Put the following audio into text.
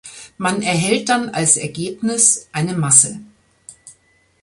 Man erhält dann als Ergebnis eine Masse.